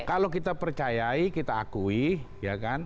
kalau kita percayai kita akui ya kan